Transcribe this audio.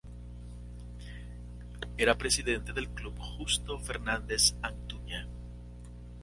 Era presidente del club Justo Fernández Antuña.